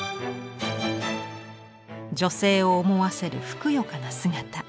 女性を思わせるふくよかな姿。